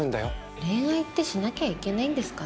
恋愛ってしなきゃいけないんですかね？